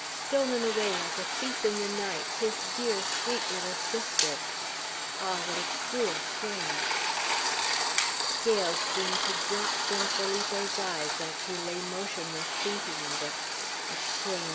Stolen away like a thief in the night, his dear, sweet little sister! Ah, what a cruel shame! Scales seemed to drop from Felipe's eyes as he lay motionless, thinking of it. A shame!